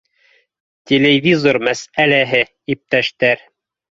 — Телевизор мәсьәләһе, иптәштәр